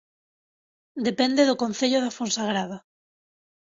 Depende do Concello da Fonsagrada